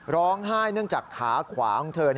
ร้องไห้เนื่องจากขาขวาของเธอ